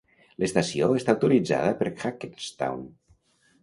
L'estació està autoritzada per Hackettstown.